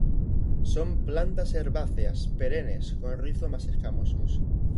Son plantas herbáceas, perennes, con rizomas escamosos.